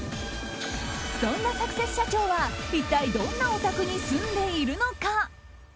そんなサクセス社長は一体どんなお宅に住んでいるのか。